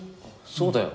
そうだよ。